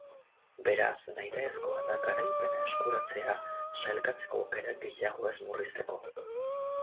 Beraz, nahitaezkoa da garaipena eskuratzea sailkatzeko aukerak gehiago ez murrizteko.